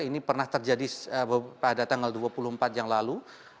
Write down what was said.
ini pernah terjadi pada tanggal dua puluh empat yang lalu